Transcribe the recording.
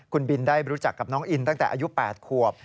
คุณบินได้รู้จักกับน้องอินตั้งแต่อายุ๘ขวบ